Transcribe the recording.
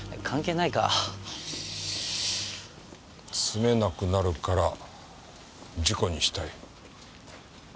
住めなくなるから事故にしたい。